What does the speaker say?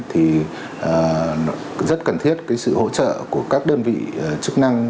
thì nó rất cần thiết sự hỗ trợ của các đơn vị chức năng